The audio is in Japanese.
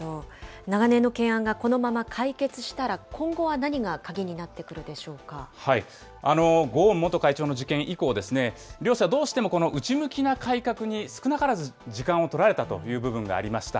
長年の懸案がこのまま解決したら、今後は何が鍵にゴーン元会長の事件以降、両社、どうしても内向きな改革に少なからず時間を取られたという部分がありました。